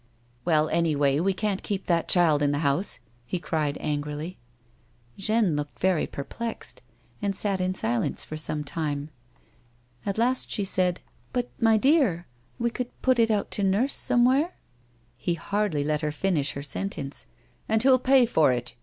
" Well, anyhow we can't keep that child in the house," lie cried, angrily. Jeanne looked very perplexed, and sat in silence for some time. At last she said, "But, my dear, we could put it out to nurse somewhere He hardly let her finish her sentence. " And who'll pay for it ?